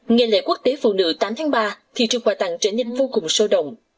ngày lễ quốc tế phụ nữ tám tháng ba thị trường quà tặng trở nên vô cùng sôi động